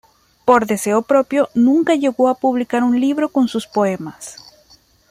Por deseo propio, nunca llegó a publicar un libro con sus poemas.